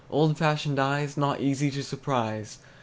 Old fashioned eyes, Not easy to surprise!